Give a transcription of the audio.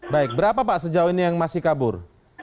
baik berapa pak sejauh ini yang masih kabur